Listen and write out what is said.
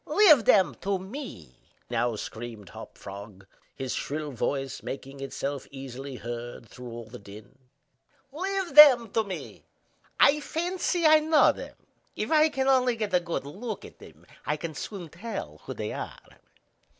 "Leave them to me!" now screamed Hop Frog, his shrill voice making itself easily heard through all the din. "Leave them to me. I fancy I know them. If I can only get a good look at them, I can soon tell who they are."